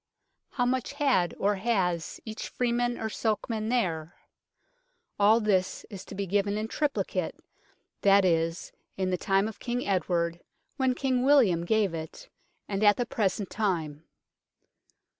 How much had or has each freeman or sokeman there ? All this is to be given in triplicate ; that is, in the time of King Edward, when King William gave it, and at the present time.